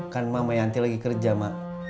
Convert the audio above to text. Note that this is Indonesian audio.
kan mama yanti lagi kerja mak